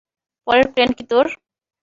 পরের প্ল্যান কী তোর?